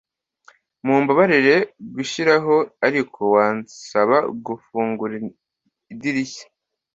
Mumbabarire gushiraho, ariko wasaba gufungura idirishya?